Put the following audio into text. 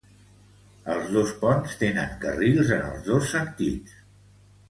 Els dos ponts tenen carrils en els dos sentits.